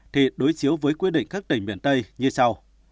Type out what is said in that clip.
thì đối chiếu với quy định các tỉnh miền tây như sau